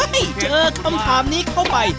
เฮ้ยจะเมิดคำถามนี้เข้าไป